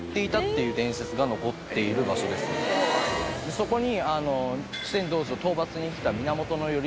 そこに。